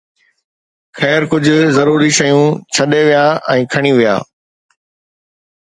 خير، ڪجهه ضروري شيون جلدي ۾ کڻي ويا ۽ ڇڏي ويا.